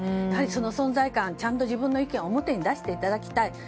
やはり、存在感をちゃんと自分の意見を表に出していただきたい。